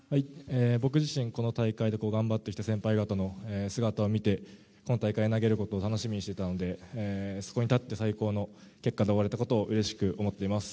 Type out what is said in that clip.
僕自身この大会で頑張ってきた先輩方の姿を見て今大会、投げることを楽しみにしていたのでそこに立って最高の結果で終われたことをうれしく思っています。